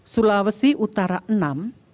sulawesi utara vi